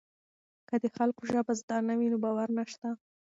که د خلکو ژبه زده نه وي نو باور نشته.